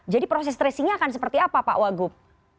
jadi proses tracing nya akan seperti apa pak wagub